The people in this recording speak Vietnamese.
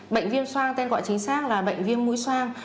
bệnh viêm xoang tên gọi chính xác là bệnh viêm mũi xoang